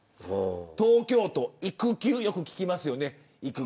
東京都、育休はよく聞きますよね。